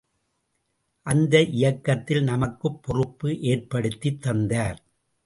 அந்த இயக்கத்தில் நமக்குப் பொறுப்பு ஏற்படுத்தித் தந்தார்.